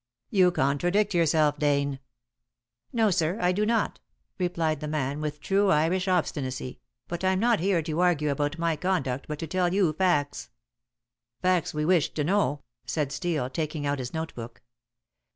"You contradict yourself, Dane." "No, sir, I do not," replied the man, with true Irish obstinacy, "but I'm not here to argue about my conduct but to tell you facts." "Facts we wish to know," said Steel, taking out his note book.